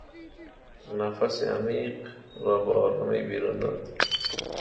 نفس عمیق را به آرامی بیرون داد.